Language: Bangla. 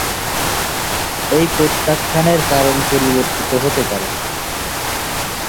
এই প্রত্যাখ্যানের কারণ পরিবর্তিত হতে পারে।